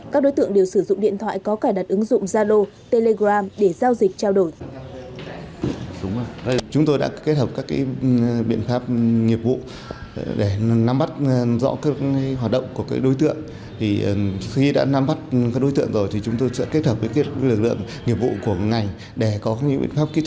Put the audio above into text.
các đối tượng đều sử dụng điện thoại có cài đặt ứng dụng zalo telegram để giao dịch trao đổi